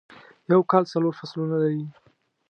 یو کال څلور فصلونه لري.